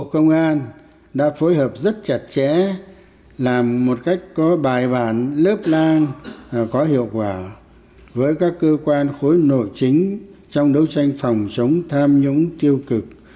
tổng bí thư đặc biệt hoan nghênh lực lượng công an đã phát huy tốt vai trò trong đấu tranh phòng chống tham nhũng tiêu cực